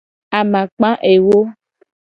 Amakpa ewo.